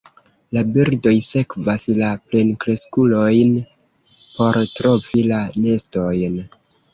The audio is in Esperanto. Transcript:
La birdoj sekvas la plenkreskulojn por trovi la nestojn.